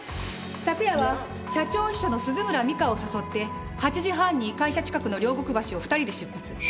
昨夜は社長秘書の鈴村美加を誘って８時半に会社近くの両国橋を２人で出発。